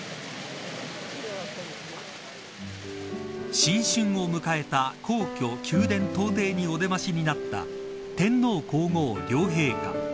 新春を迎えた皇居宮殿東庭にお出ましになった天皇皇后両陛下。